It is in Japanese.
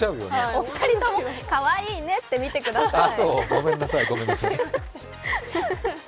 お二人とも、かわいいねって見てください。